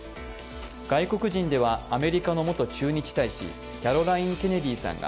外国人ではアメリカの元駐日大使キャロライン・ケネディさんが